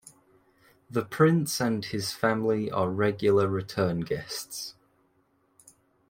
The prince and his family are regular return guests.